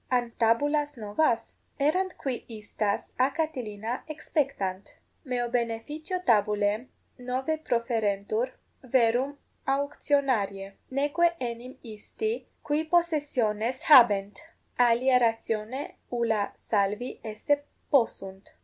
An tabulas novas? Errant qui istas a Catilina exspectant: meo beneficio tabulae novae proferentur, verum auctionariae; neque enim isti, qui possessiones habent, alia ratione ulla salvi esse possunt.